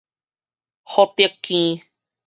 福德坑